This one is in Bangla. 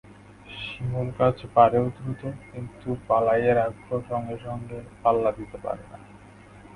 শিমুলগাছ বাড়েও দ্রুত, কিন্তু বলাইয়ের আগ্রহের সঙ্গে পাল্লা দিতে পারে না।